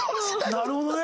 なるほどね。